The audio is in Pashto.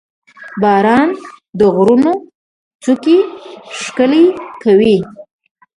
• باران د غرونو څوکې ښکلې کوي.